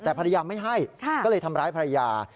แต่ภรรยาไม่ให้ก็เลยทำร้ายภรรยา